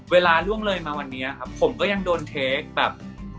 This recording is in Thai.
ล่วงเลยมาวันนี้ครับผมก็ยังโดนเทคแบบ